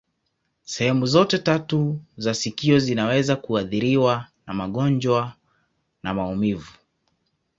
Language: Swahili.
Sehemu zote tatu za sikio zinaweza kuathiriwa na magonjwa na maumivu.